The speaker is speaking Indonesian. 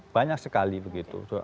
banyak sekali begitu